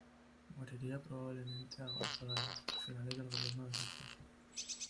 Moriría probablemente a avanzada edad, a finales del gobierno de su esposo.